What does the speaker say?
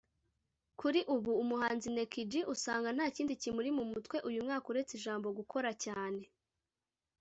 kuri ubu umuhanzi Neg-G usanga ntakindi kimuri mu mutwe uyu mwaka uretse ijambo gukora cyane